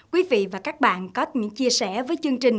quý vị và các bạn có những chia sẻ với chương trình